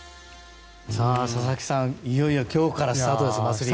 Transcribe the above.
佐々木さん、いよいよ今日からスタートです、祭りが。